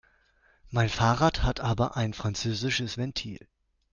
Mein Fahrrad hat aber ein französisches Ventil.